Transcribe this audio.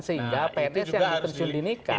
sehingga pns yang dipensiun dinikah